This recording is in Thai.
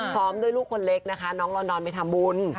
พร้อมด้วยลูกคนเล็กนะคะน้องลอนดอนไปทำบุญ